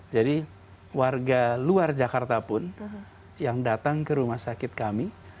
jadi warga luar jakarta pun yang datang ke rumah sakit kami